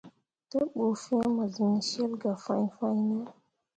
Te ɓu fĩĩ mo siŋ cil gah fãi fãine.